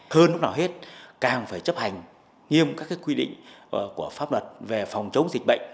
hơn lúc nào hết càng phải chấp hành nghiêm các quy định của pháp luật về phòng chống dịch bệnh